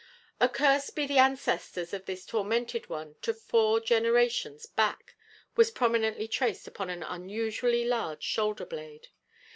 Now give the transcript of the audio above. "Accursed be the ancestors of this tormented one to four generations back!" was prominently traced upon an unusually large shoulder blade.